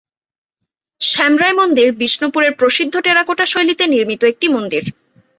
শ্যামরায় মন্দির বিষ্ণুপুরের প্রসিদ্ধ টেরাকোটা শৈলীতে নির্মিত একটি মন্দির।